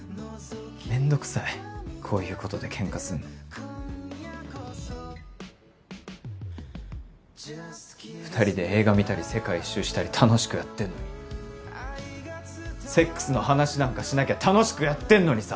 めんどくさいこういうことでケンカすんの２人で映画見たり世界一周したり楽しくやってんのにセックスの話なんかしなきゃ楽しくやってんのにさ